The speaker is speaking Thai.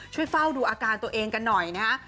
ช่วยเฝ้าดูอาการตัวเองกันหน่อยนะฮะ